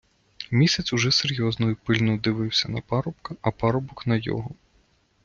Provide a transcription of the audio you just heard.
Місяць уже серйозно й пильно дивився на парубка, а парубок на його.